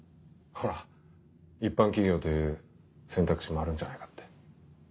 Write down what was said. ほら一般企業という選択肢もあるんじゃないかって。